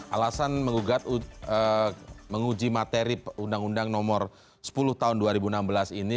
alasan menguji materi undang undang nomor sepuluh tahun dua ribu enam belas ini